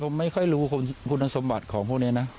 ผมไม่ค่อยรู้คุณสมบัติของพวกนี้นะ